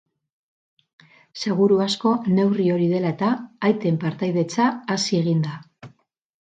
Seguru asko, neurri hori dela eta, aiten partaidetza hazi egin da.